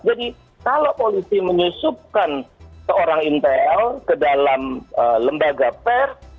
jadi kalau polisi menyusupkan seorang intel ke dalam lembaga pers